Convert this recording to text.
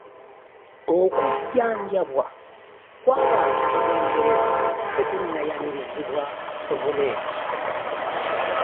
Okujjajabwa kw'abantu mu bugereza tekunnayanirizibwa gavumenti.